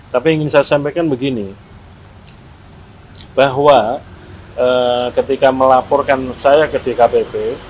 tapi ingin saya sampaikan begini bahwa ketika melaporkan saya ke dkpp